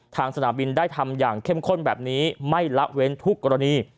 สนามบินได้ทำอย่างเข้มข้นแบบนี้ไม่ละเว้นทุกกรณี